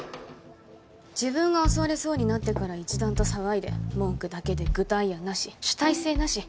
自分が襲われそうになってから一段と騒いで文句だけで具体案なし主体性なし。